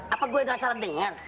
apa gue yang asal denger